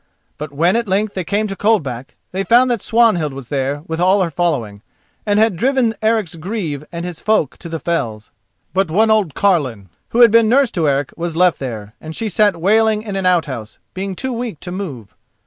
But when at length they came to Coldback, they found that Swanhild was there with all her following, and had driven Eric's grieve and his folk to the fells. But one old carline, who had been nurse to Eric, was left there, and she sat wailing in an outhouse, being too weak to move.